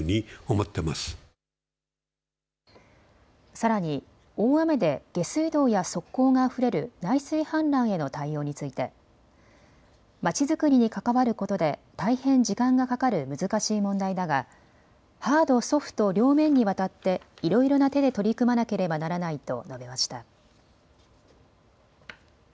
さらに大雨で下水道や側溝があふれる内水氾濫への対応についてまちづくりに関わることで大変時間がかかる難しい問題だがハード、ソフト両面にわたっていろいろな手で取り組まなければならないと述べました。